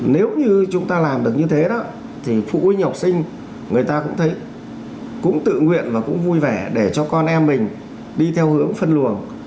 nếu như chúng ta làm được như thế đó thì phụ huynh học sinh người ta cũng thấy cũng tự nguyện và cũng vui vẻ để cho con em mình đi theo hướng phân luồng